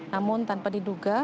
namun tanpa diduga